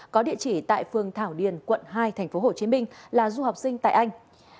có địa chỉ tại phường thảo điền quận hai tp hcm là du học sinh tại anh